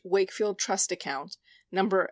Wakefield trust account (No.